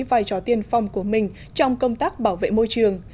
vai trò tiên phong của mình trong công tác bảo vệ môi trường